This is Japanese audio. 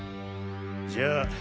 じゃあ。